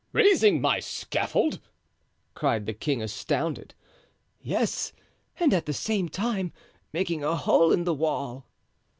"Raising my scaffold!" cried the king, astounded. "Yes, and at the same time making a hole in the wall."